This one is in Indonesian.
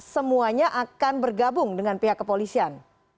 semuanya akan bergabung dengan pihak kepolisian